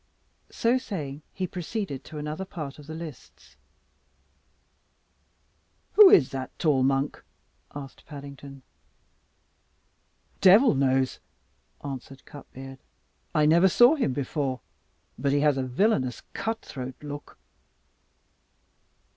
"So saying he proceeded to another part of the lists. "Who is that tall monk?" asked Paddington. "Devil knows!" answered Cutbeard; "I never saw him before. But he has a villainous cut throat look."